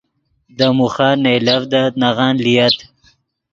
دے موخن نئیلڤدت نغن لییت